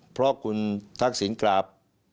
เพราะคุณทักศิลป์กลับ